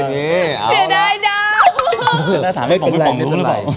ไม่ได้ดาว